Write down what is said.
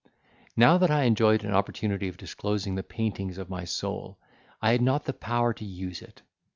Now that I enjoyed an opportunity of disclosing the paintings of my soul, I had not the power to use it.